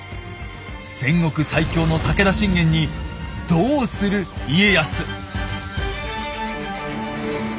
戦国最強の武田信玄にどうする家康⁉